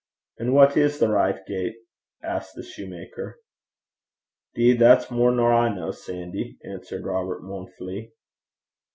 'An' what is the richt gait?' asked the soutar. ''Deed, that's mair nor I ken, Sandy,' answered Robert mournfully.